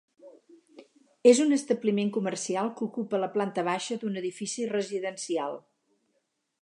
És un establiment comercial que ocupa la planta baixa d'un edifici residencial.